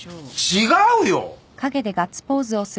違うよ！